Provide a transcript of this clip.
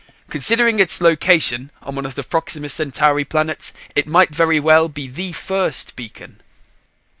Considering its location on one of the Proxima Centauri planets, it might very well be the first beacon."